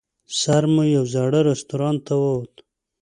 سر مو یوه زاړه رستورانت ته ووت.